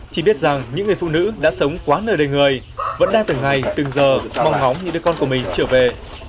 chỉ biết rằng những người phụ nữ đã sống quá nơi đầy người vẫn đang từng ngày từng giờ mong ngóng những đứa con của mình trở về